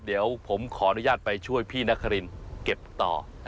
เดี๋ยวผมขออนุญาตไปช่วยพี่นครินเก็บต่อ